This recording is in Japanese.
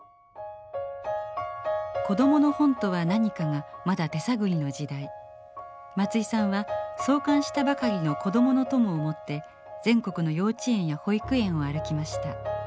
子どもの本とは何かがまだ手探りの時代松居さんは創刊したばかりの「こどものとも」を持って全国の幼稚園や保育園を歩きました。